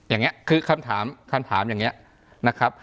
อย่างนี้คือคำถามคำถามอย่างนี้นะครับ